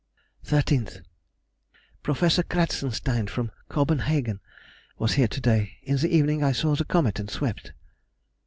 13th. Professor Kratzensteine, from Copenhagen, was here to day. In the evening I saw the comet and swept.